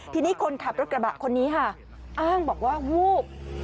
ทีนี้คนขับรถกระบะคนนี้ค่ะอ้างบอกว่าวูบ